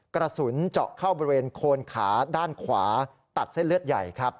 กระสุนเจาะเข้าบริเวณโคนขาด้านขวาตัดเส้นเลือดใหญ่ครับ